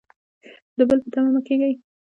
د بل په تمه مه کیږئ